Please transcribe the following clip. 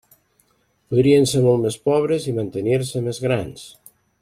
Podrien ser molt més pobres i mantenir-se més grans.